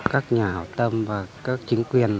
các nhà hảo tâm và các chính quyền